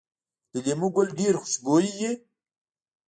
د لیمو ګل ډیر خوشبويه وي؟